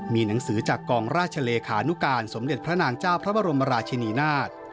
มีหนังสือจากกองราชเลขานุการสมเด็จพระนางเจ้าพระบรมราชินีนาฏ